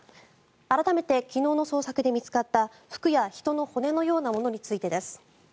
あらためて昨日の捜索で見つかった服や人の骨のようなものについてです。